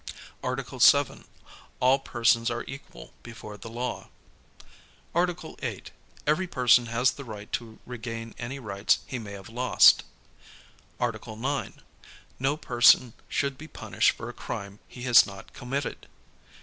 Article 7. All persons are equal before the law. Article 8. Every person has the right to regain any rights he may have lost. Article 9. No person should be punished for a crime he has not committed.